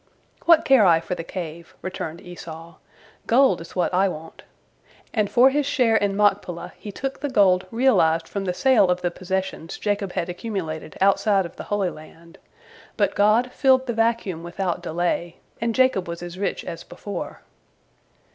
"What care I for the Cave?" returned Esau. "Gold is what I want," and for his share in Machpelah he took the gold realized from the sale of the possessions Jacob had accumulated outside of the Holy Land. But God "filled the vacuum without delay," and Jacob was as rich as before.